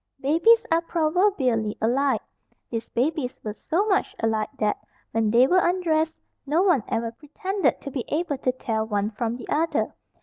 Babies are proverbially alike. These babies were so much alike that, when they were undressed, no one ever pretended to be able to tell one from the other.